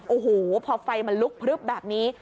โอ้โหพอไฟมันลุกพลึบแบบนี้